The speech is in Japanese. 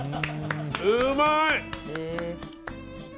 うまい！